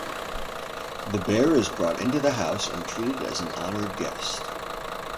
The bear is brought into the house and treated as an honored guest.